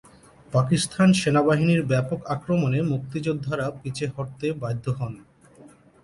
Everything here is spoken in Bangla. পাকিস্তান সেনাবাহিনীর ব্যাপক আক্রমণে মুক্তিযোদ্ধারা পিছে হটতে বাধ্য হন।